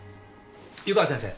湯川先生！